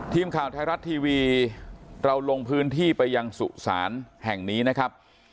ทีมข่าวไทยรัฐทีวีเราลงพื้นที่ไปยังสุสานแห่งนี้นะครับ